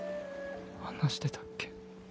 話してたっけ？